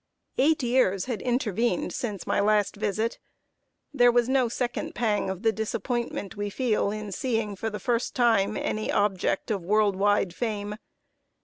Eight years had intervened since my last visit. There was no second pang of the disappointment we feel in seeing for the first time any object of world wide fame.